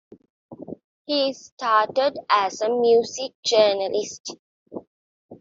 He started as a music journalist.